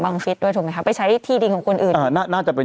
ฟิศด้วยถูกไหมคะไปใช้ที่ดินของคนอื่นอ่าน่าจะเป็น